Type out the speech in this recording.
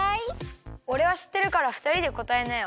オレはしってるからふたりでこたえなよ。